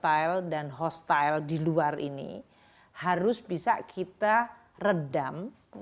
bahwa kondisi yang volatile dan hostile di luar ini harus bisa kita redam